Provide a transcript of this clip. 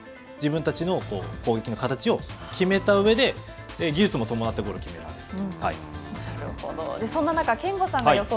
相手をしっかり見て自分たちの攻撃の形を決めた上で技術も伴ってゴールを決められると。